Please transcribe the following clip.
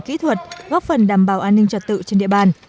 kỹ thuật góp phần đảm bảo an ninh trật tự trên địa bàn